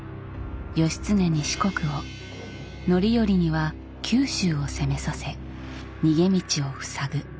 義経に四国を範頼には九州を攻めさせ逃げ道を塞ぐ。